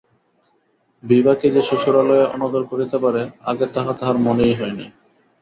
বিভাকে যে শ্বশুরালয়ে অনাদর করিতে পারে, আগে তাহা তাঁহার মনেই হয় নাই।